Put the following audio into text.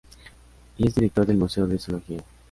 Y es director del "Museo de Zoología".